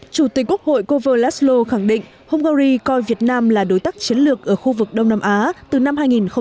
chủ tịch quốc hội kovo laslo khẳng định hungary coi việt nam là đối tác chiến lược ở khu vực đông nam á từ năm hai nghìn một mươi